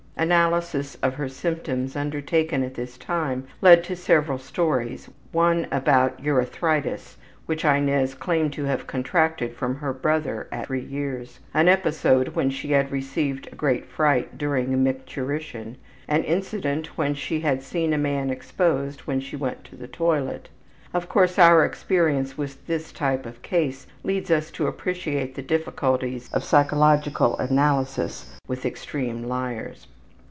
Analysis of her symptoms undertaken at this time led to several stories, one about urethritis, which Inez claimed to have contracted from her brother at 3 years; an episode when she had received a great fright during micturition; an incident when she had seen a man exposed when she went to the toilet. (Of course, our experience with this type of case leads us to appreciate the difficulties of psychological analysis with extreme liars.)